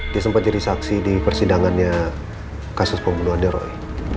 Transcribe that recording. dia sempat jadi saksi di persidangannya kasus pembunuhan neroi